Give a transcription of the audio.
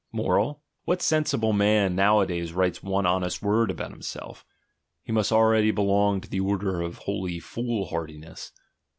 Moral: What sensible man nowadays writes one honest word about himself? He must already belong to the Order of Holy Foolhardiness.